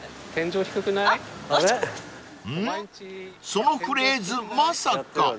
そのフレーズまさか］